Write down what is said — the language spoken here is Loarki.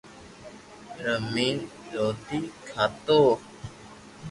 رمئين روٽي کاتو